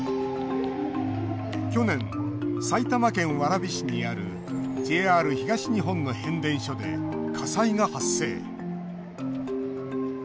去年埼玉県蕨市にあるＪＲ東日本の変電所で火災が発生。